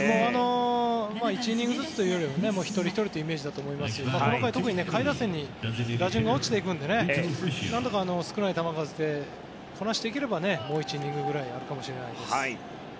１イニングずつというより一人ひとりというイメージだと思いますがこの回、特に下位打線に打順が落ちていくので何とか少ない球数でこなしていければもう１イニングくらいあるかもしれないですね。